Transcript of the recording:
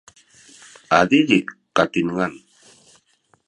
adidi’ katinengan